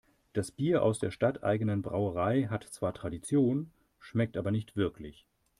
Das Bier aus der stadteigenen Brauerei hat zwar Tradition, schmeckt aber nicht wirklich.